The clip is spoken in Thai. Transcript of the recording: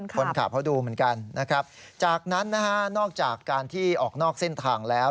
คนขับเขาดูเหมือนกันนะครับจากนั้นนะฮะนอกจากการที่ออกนอกเส้นทางแล้ว